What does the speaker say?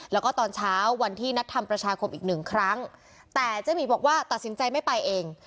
แล้วก็ตอนเช้าวันที่นัดทำประชาคมอีกหนึ่งครั้งแต่เจ๊หมีบอกว่าตัดสินใจไม่ไปเอง